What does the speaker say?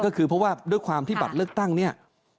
ก็คือเพราะว่าด้วยความที่บัตรเลือกตั้งเนี่ย